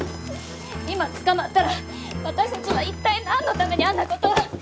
今捕まったら私たちは一体何のためにあんなことを。